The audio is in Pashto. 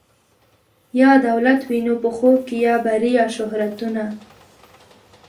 یا دولت وینو په خوب کي یا بری یا شهرتونه